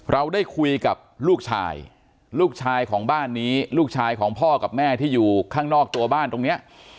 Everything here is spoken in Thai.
เราได้คุยกับลูกชายลูกชายของบ้านนี้ลูกชายของพ่อกับแม่ที่อยู่ข้างนอกตัวบ้านตรงนี้